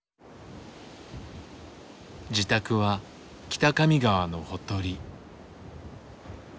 自宅は北上川のほとり。